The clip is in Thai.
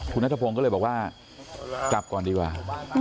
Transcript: คุณนัทพงศ์ก็เลยบอกว่ากลับก่อนดีกว่า